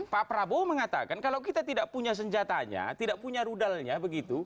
pak prabowo mengatakan kalau kita tidak punya senjatanya tidak punya rudalnya begitu